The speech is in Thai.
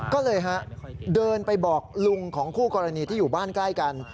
ก็เลยฮะเดินไปบอกลุงของคู่กรณีที่อยู่บ้านใกล้กัน